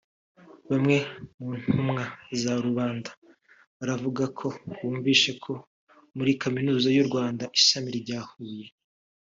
Bamwe mu ntumwa za rubanda baravuga ko bumvise ko muri Kaminuza y’u Rwanda ishami rya Huye